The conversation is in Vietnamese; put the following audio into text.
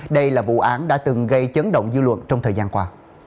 đây là vụ án đã từng gây chấn động dư luận trong thời gian qua